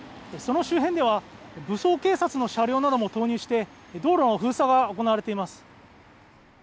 その周辺では武装警察などの車両なども投入して道路の封鎖が行われています。